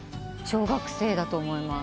小学生だと思います。